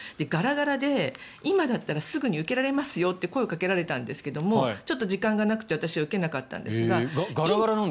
ガラガラで、今だったらすぐに受けられますよと声をかけられたんですけども時間がなくて私は受けなかったんですけど。